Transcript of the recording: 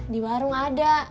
di warung ada